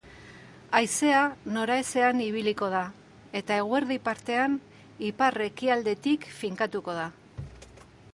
Haizea nora ezean ibiliko da eta eguerdi partean ipar-ekialdetik finkatuko da.